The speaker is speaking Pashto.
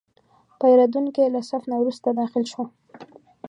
پیرودونکی له صف نه وروسته داخل شو.